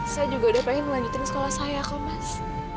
saya juga udah pengen ngelanjutin sekolah saya mas